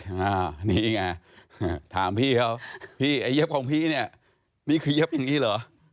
อันนี้ไงถามพี่เขาพี่ไอ้เย็บของพี่เนี่ยนี่คือเย็บอย่างนี้เหรอ